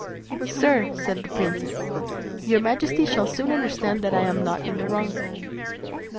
"Sir," said the princess, "your majesty shall soon understand that I am not in the wrong.